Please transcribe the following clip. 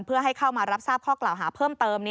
เพื่อให้เข้ามารับทราบข้อกล่าวหาเพิ่มเติม